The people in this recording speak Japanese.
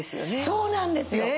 そうなんですよ。